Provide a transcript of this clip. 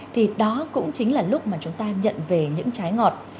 thì đó cũng chính là lúc mà chúng ta nhận về những trái ngọt